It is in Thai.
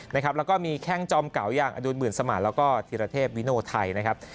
แล้วก็มีแข้งจอมเก่าอย่างอดุลหมื่นสมานแล้วก็ธีรเทพวิโนไทยนะครับ